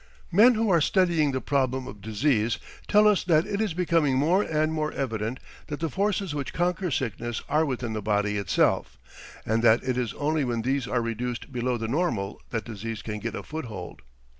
Men who are studying the problem of disease tell us that it is becoming more and more evident that the forces which conquer sickness are within the body itself, and that it is only when these are reduced below the normal that disease can get a foothold.